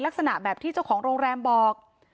ลักษณะแบบที่เจ้าของโรงแรมบอก